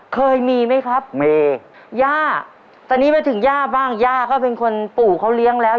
เคยมีไหมครับมีย่าตอนนี้มาถึงย่าบ้างย่าก็เป็นคนปู่เขาเลี้ยงแล้ว